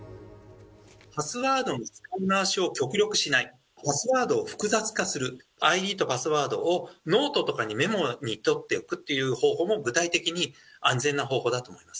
パスワードの使い回しを極力しない、パスワードを複雑化する、ＩＤとパスワードをノートとかにメモに取っておくという方法も具体的に安全な方法だと思います。